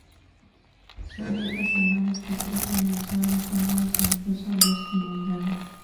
Son hierbas anuales que crecen en suelos húmedo o incluso los inundados.